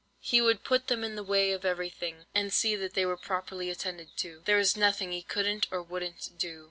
He would put them in the way of everything, and see that they were properly attended to. There was nothing he couldn't or wouldn't do.